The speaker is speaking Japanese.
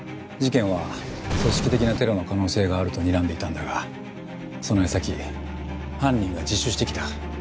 事件は組織的なテロの可能性があると睨んでいたんだがその矢先犯人が自首してきた。